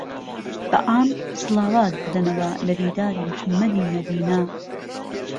به عام سڵاوات بدهنهوه له دیداری محهممهدیمهدينه.